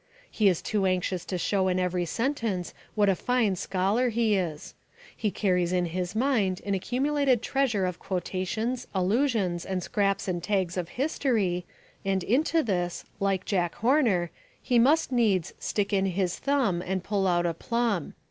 He is too anxious to show in every sentence what a fine scholar he is. He carries in his mind an accumulated treasure of quotations, allusions, and scraps and tags of history, and into this, like Jack Horner, he must needs "stick in his thumb and pull out a plum."